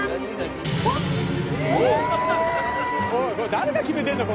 誰が決めてんだよ！